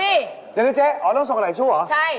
เดี๋ยวนี้เจ๊อ๋อต้องส่งกันหลายชั่วเหรอใช่